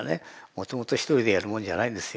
もともと１人でやるもんじゃないんですよ。